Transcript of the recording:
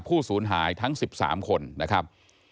ศูนย์หายทั้ง๑๓คนนะครับ